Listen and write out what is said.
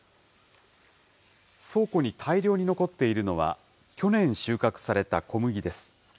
倉庫に大量に残っているのは、去年収穫された小麦です。